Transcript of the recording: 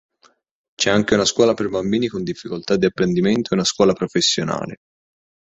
C'è anche una scuola per bambini con difficoltà di apprendimento e una scuola professionale.